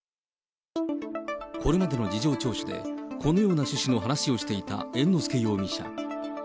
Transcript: これまでの事情聴取で、このような趣旨の話をしていた猿之助容疑者。